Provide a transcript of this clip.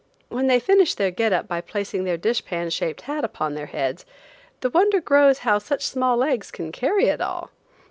When they finish their "get up" by placing their dish pan shaped hat upon their heads, the wonder grows how such small legs can carry it all!